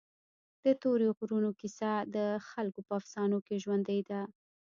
د تورې غرونو کیسه د خلکو په افسانو کې ژوندۍ ده.